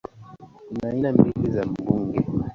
Kuna aina mbili za bunge